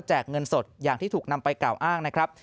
เงินสดอย่างที่ถูกนำไปกล่าวอ้างนะครับ